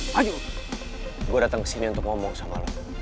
maju gue datang kesini untuk ngomong sama lo